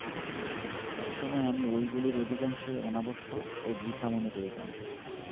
একসময় আমি ঐগুলির অধিকাংশই অনাবশ্যক ও বৃথা মনে করিতাম।